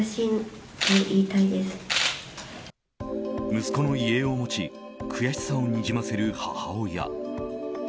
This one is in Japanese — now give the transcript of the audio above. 息子の遺影を持ち悔しさをにじませる母親。